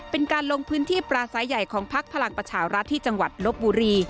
เป็นการลงพื้นที่ปราศัยใหญ่ของพักพลังประชารัฐที่จังหวัดลบบุรี